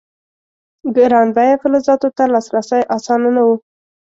ګران بیه فلزاتو ته لاسرسی اسانه نه و.